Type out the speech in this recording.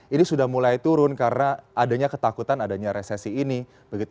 ini sudah mulai turun karena adanya ketakutan adanya resesi ini